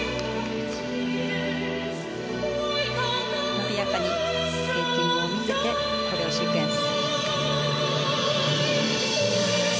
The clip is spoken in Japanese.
伸びやかにスケーティングを見せコレオシークエンス。